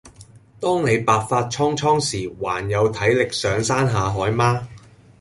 當你白髮蒼蒼時還有體力上山下海嗎？